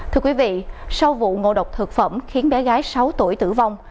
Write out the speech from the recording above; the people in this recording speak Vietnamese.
thưa quý vị sau vụ ngộ độc thực phẩm khiến bé gái sáu tuổi tử vong